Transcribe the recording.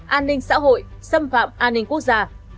an ninh xã hội xâm phạm an ninh quốc gia